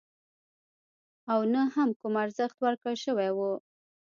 او نه هم کوم ارزښت ورکړل شوی وو.